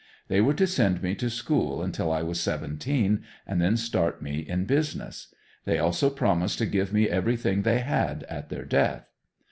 They were to send me to school until I was seventeen and then start me in business. They also promised to give me everything they had at their death.